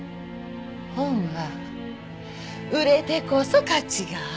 本は売れてこそ価値があるの。